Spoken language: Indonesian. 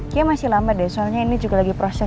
kira masih lama deh soalnya ini juga lagi proses